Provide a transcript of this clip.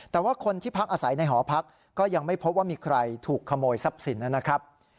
แต่ว่าคนที่พักอาศัยในหอพักก็ยังไม่พบว่ามีใครถูกขโมยทรัพย์สินนะครับ